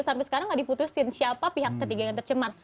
sampai sekarang gak diputusin siapa pihak ketiga yang tercemar